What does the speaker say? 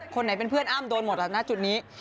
คนไหนเป็นเพื่อนอ้ำโดนหมดแล้วนะจุดนี้